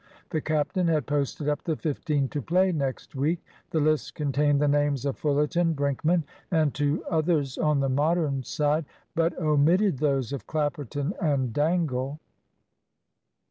The captain had posted up the fifteen to play next week. The list contained the names of Fullerton, Brinkman, and two others on the Modern side, but omitted those of Clapperton and Dangle.